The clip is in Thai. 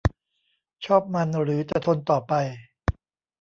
ชอบมันหรือจะทนต่อไป